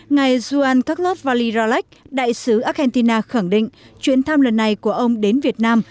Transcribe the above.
ngày juan carlos varela ralex đại sứ argentina khẳng định chuyến thăm lần này của ông đến việt nam